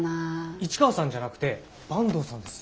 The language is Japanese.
市川さんじゃなくて坂東さんです。